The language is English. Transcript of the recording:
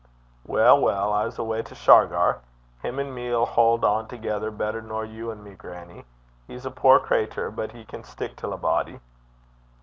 'Weel, weel, I s' awa' to Shargar. Him and me 'ill haud on thegither better nor you an' me, grannie. He's a puir cratur, but he can stick till a body.'